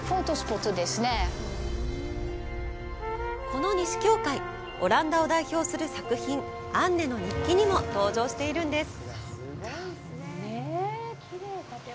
この西教会、オランダを代表する作品「アンネの日記」にも登場しているんです。